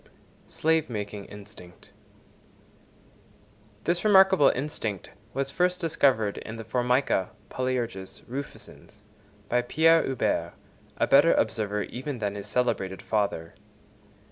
Slave making instinct.—This remarkable instinct was first discovered in the Formica (Polyerges) rufescens by Pierre Huber, a better observer even than his celebrated father.